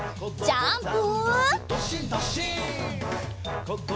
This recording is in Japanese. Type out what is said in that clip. ジャンプ！